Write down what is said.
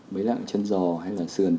mấy lạng chân giò hay là sườn